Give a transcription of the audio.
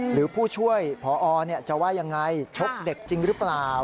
หรือผู้ช่วยพอจะว่ายังไงชกเด็กจริงหรือเปล่า